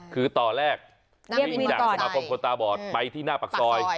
คือตอนแรกวิ่งจากสมาคมคนตาบอดไปที่หน้าปากซอย